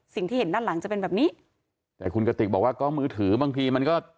เห็นด้านหลังจะเป็นแบบนี้แต่คุณกติกบอกว่าก็มือถือบางทีมันก็